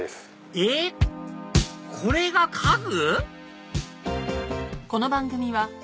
えっこれが家具？